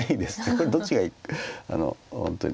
これどっちがいい本当に。